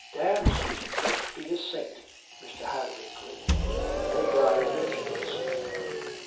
"Damme, Susan, don't be a saint." Mr. Hadley grinned. "They die virgins."